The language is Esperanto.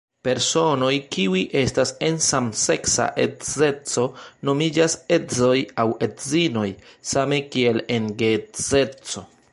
Personoj kiu estas en samseksa edzeco nomiĝas edzoj aŭ edzinoj, same kiel en geedzeco.